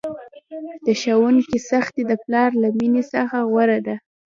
د ښوونکي سختي د پلار له میني څخه غوره ده!